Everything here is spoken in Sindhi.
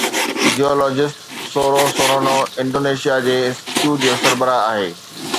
جيولوجسٽ سورو سورونو انڊونيشيا جي انسٽيٽيوٽ جو سربراهه آهي